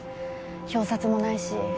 表札もないし。